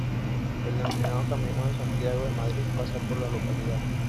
El denominado Camino de Santiago de Madrid pasa por la localidad.